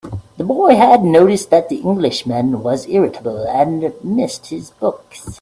The boy had noticed that the Englishman was irritable, and missed his books.